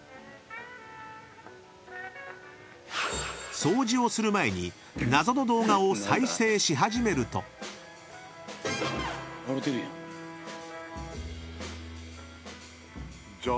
［掃除をする前に謎の動画を再生し始めると］笑うてるやん。